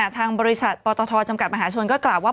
ทางบริษัทปตทจำกัดมหาชนก็กล่าวว่า